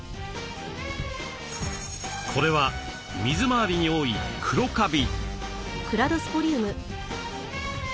これは水回りに多いクロカビ。